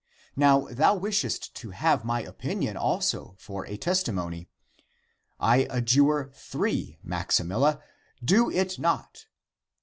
Now thou wishest to have my opinion also for a testi mony. I adjure three, Maximilla, do it not